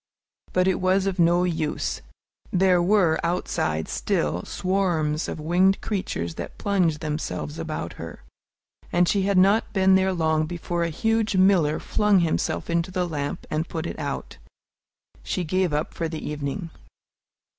But it was of no use. There were outside still swarms of winged creatures that plunged themselves about her, and she had not been there long before a huge miller flung himself into the lamp and put it out. She gave up for the evening.